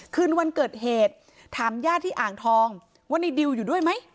คืนวันเกิดเหตุถามญาติที่อ่างทองว่าในดิวอยู่ด้วยไหม